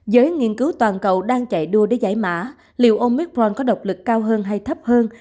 giới nghiên cứu toàn cầu đang chạy đua để giải mã liệu ông mikron có độc lực cao hơn hay thấp hơn